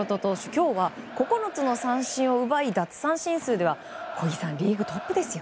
今日は９つの三振を奪い、奪三振数では小木さん、リーグトップですよ。